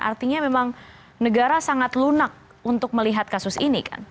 artinya memang negara sangat lunak untuk melihat kasus ini kan